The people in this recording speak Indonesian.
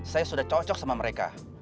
saya sudah cocok sama mereka